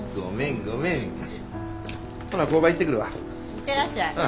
行ってらっしゃい。